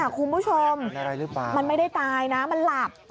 คุณผู้ชมมันไม่ได้ตายนะมันหลับ